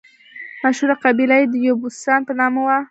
مشهوره قبیله یې د یبوسان په نامه وه.